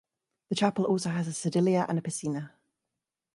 The chapel also has a sedilia and a piscina.